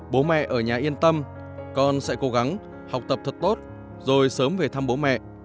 bố mẹ ở nhà yên tâm con sẽ cố gắng học tập thật tốt rồi sớm về thăm bố mẹ